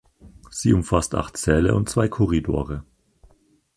Sie umfasst acht Säle und zwei Korridore.